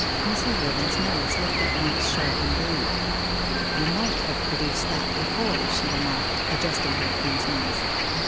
Mrs. Riven's nose looked at once sharp and blue. ' You might have produced that before,' she remarked, adjust ing her pince nez.